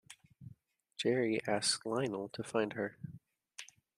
Jerry asks Lionel to find her.